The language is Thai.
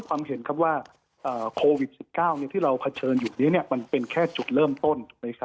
ว่าโควิด๑๙ที่เราเผชิญอยู่นี้มันเป็นแค่จุดเริ่มต้น